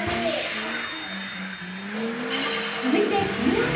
続いて、金曜日。